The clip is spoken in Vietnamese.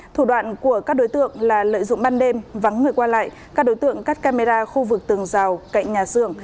thủ đoạn của các đối tượng là lợi dụng ban đêm vắng người qua lại các đối tượng cắt camera khu vực tường rào cạnh nhà xưởng